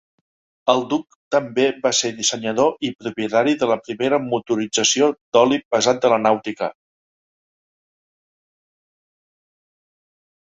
El Duc també va ser dissenyador i propietari de la primera motorització d'oli pesat de la nàutica.